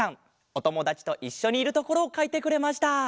おともだちといっしょにいるところをかいてくれました。